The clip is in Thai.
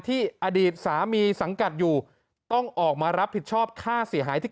อดีตสามีสังกัดอยู่ต้องออกมารับผิดชอบค่าเสียหายที่